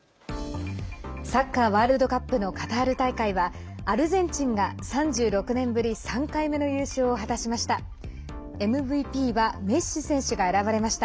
サッカーワールドカップのカタール大会はアルゼンチンが３６年ぶり３回目の優勝を果たしました。